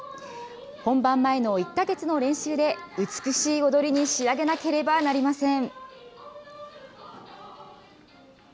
本番前の１か月の練習で、美しい踊りに仕上げなければなりません。